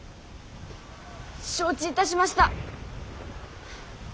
承知いたしました。